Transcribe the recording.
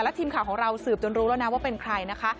ทีมข่าวของเราสืบจนรู้แล้วนะว่าเป็นใครนะคะ